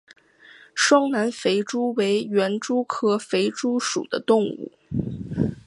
双南肥蛛为园蛛科肥蛛属的动物。